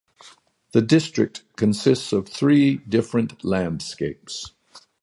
The district consists of three different landscapes.